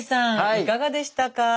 いかがでしたか？